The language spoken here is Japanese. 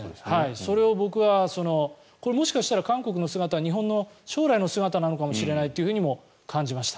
それを僕はこれ、韓国の姿は日本の将来の姿なのかもしれないとも感じました。